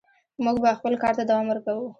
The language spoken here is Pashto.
موږ به خپل کار ته دوام ورکوو.